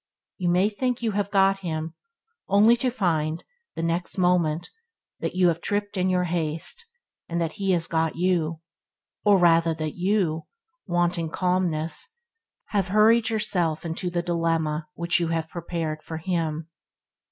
You may think you have got him, only to find, the next moment, that you have tripped in your haste, and that he has got you, or rather that you, wanting calmness, have hurried yourself into the dilemma which you had prepared for him.